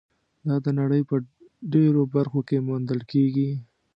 دا د نړۍ په ډېرو برخو کې موندل کېږي.